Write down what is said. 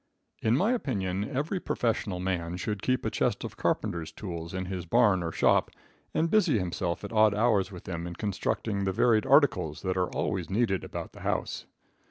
In my opinion every professional man should keep a chest of carpenters' tools in his barn or shop, and busy himself at odd hours with them in constructing the varied articles that are always needed about the house.